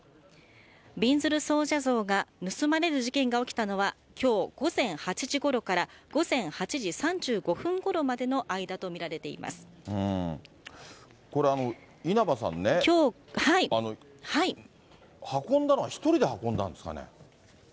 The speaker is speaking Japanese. びんずる尊者像が盗まれる事件が起きたのは、きょう午前８時ごろから午前８時３５分ごろまでの間と見られていこれ、稲葉さんね、運んだのは１人で運んだんですかね。